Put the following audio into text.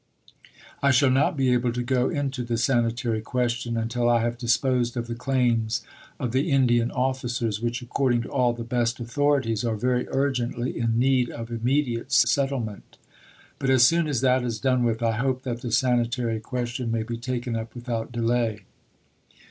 I shall not be able to go into the sanitary question until I have disposed of the claims of the Indian officers, which, according to all the best authorities, are very urgently in need of immediate settlement. But as soon as that is done with, I hope that the sanitary question may be taken up without delay.